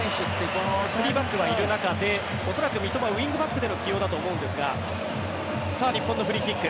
この３バックがいる中で恐らく、三笘はウィングバックでの起用かと思いますが。